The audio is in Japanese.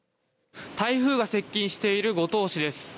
台風が接近している五島市です。